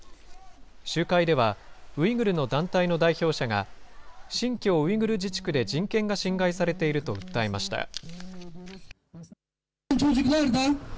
集会では、ウイグルの団体の代表者が、新疆ウイグル自治区で人権が侵害されていると訴えました。